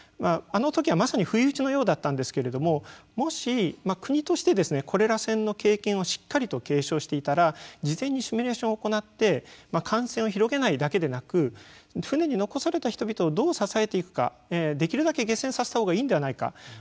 あのときはまさに不意打ちのようだったんですけどもし国としてコレラ船の経験をしっかりと継承していたら事前にシミュレーションを行って感染を広げないだけでなく船に残された人々をどう支えていくかできるだけ下船させたほうがいいんではないか。